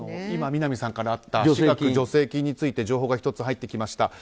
今、南さんからあった私学助成金について情報が入ってきました。